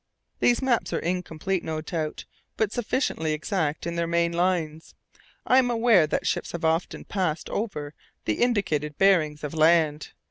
These maps are incomplete, no doubt, but sufficiently exact in their main lines. I am aware that ships have often passed over the indicated bearings of land.